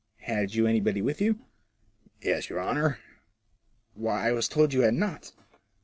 " Had you anybody with you ?"" Yes, your honour." " Why, I was told you had not."